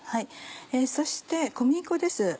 そして小麦粉です。